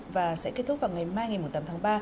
và sẽ kết thúc vào ngày mai ngày một mươi tám tháng ba